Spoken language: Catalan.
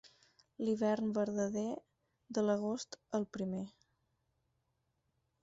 L'hivern verdader, de l'agost el primer.